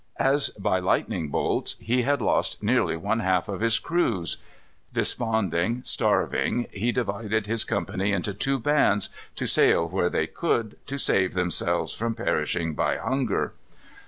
As by lightning bolts he had lost nearly one half of his crews. Desponding, starving, he divided his company into two bands, to sail where they could, to save themselves from perishing by hunger.